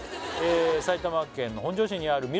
埼玉県の本庄市にある味